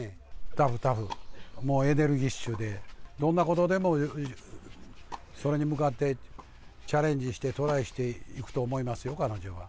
タフ、タフ、もうエネルギッシュで、どんなことでもそれに向かってチャレンジしてトライしていくと思いますよ、彼女は。